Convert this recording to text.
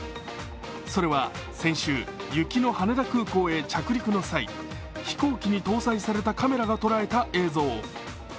それは先週、雪の羽田空港へ着陸の際、飛行機に搭載されたカメラが捉えた映像。